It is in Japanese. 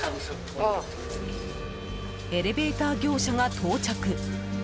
エレベーター業者が到着。